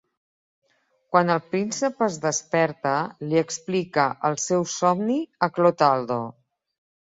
Quan el príncep es desperta, li explica el seu "somni" a Clotaldo.